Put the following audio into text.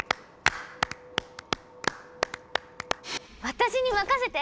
私に任せて！